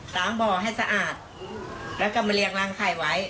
ล้างบ่อให้สะอาดแล้วก็มาเรียกรางไข่ไว้